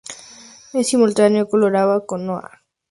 En simultáneo, colabora con Nah!